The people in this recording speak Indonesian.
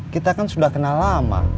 kita kan sudah kenal lama